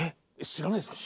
知らないですか？